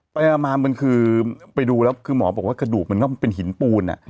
ไปมามันคือไปดูแล้วคือหมอบอกว่ากระดูกมันก็เป็นหินปูน